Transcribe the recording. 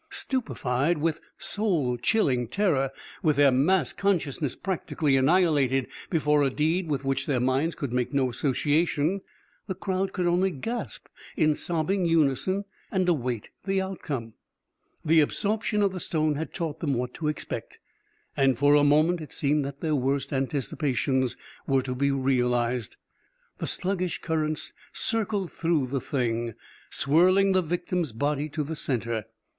Stupefied with soul chilling terror, with their mass consciousness practically annihilated before a deed with which their minds could make no association, the crowd could only gasp in sobbing unison and await the outcome. The absorption of the stone had taught them what to expect, and for a moment it seemed that their worst anticipations were to be realised. The sluggish currents circled through the Thing, swirling the victim's body to the center.